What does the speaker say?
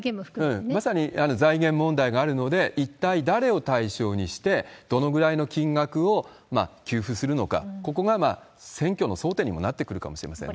まさに財源問題があるので、一体誰を対象にして、どのぐらいの金額を給付するのか、ここが選挙の争点にもなってくるかもしれませんね。